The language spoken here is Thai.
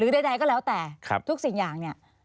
ใดก็แล้วแต่ทุกสิ่งอย่าง